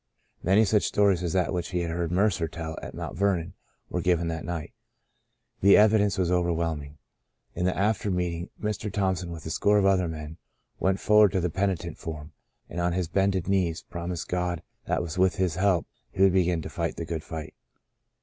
Many such stories as that which he had heard Mercer tell at Mount Vernon were given that night. The evidence was over whelming. In the after meeting, Mr. Thompson, with a score of other men, went forward to the penitent form, and on his bended knees promised God that with His help he would begin to fight the good fight.